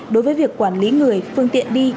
đối với việc quản lý người phương tiện đi